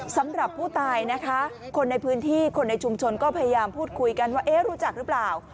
สำหรับผู้ตายนะคะคนในพื้นที่คนในชุมชนก็พยายามพูดคุยกันว่าเอ๊ะรู้จักหรือเปล่า